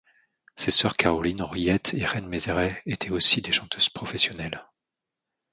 Ses sœurs Caroline, Henriette et Reine Mézeray étaient aussi des chanteuses professionnelles.